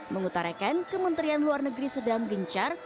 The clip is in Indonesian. mengutarakan kementerian luar negeri sedang gencar